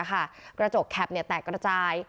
กระจกแคปแตกกระจาย